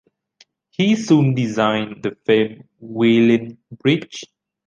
He soon designed the famed "Welin Breech".